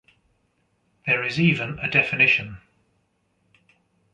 There is even a definition.